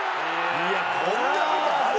「いやこんな事ある？」